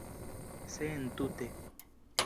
Se entute.